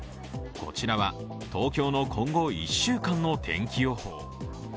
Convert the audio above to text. こちらは、東京の今後１週間の天気予報。